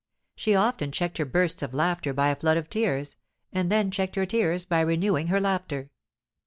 She often checked her bursts of laughter by a flood of tears, and then checked her tears by renewing her laughter.